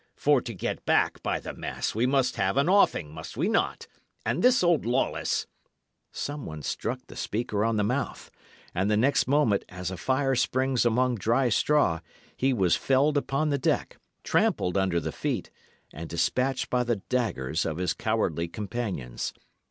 For to get back, by the mass, we must have an offing, must we not? And this old Lawless " Someone struck the speaker on the mouth, and the next moment, as a fire springs among dry straw, he was felled upon the deck, trampled under the feet, and despatched by the daggers of his cowardly companions.